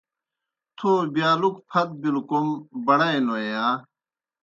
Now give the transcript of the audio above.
تھو بِیالُکوْ پھت بِلوْ کوْم بڑَئے نو یا؟